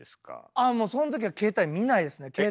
ああもうそのときは携帯見ないですね。